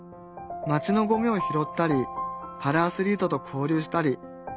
街のゴミを拾ったりパラアスリートと交流したり。